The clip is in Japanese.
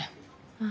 ああ。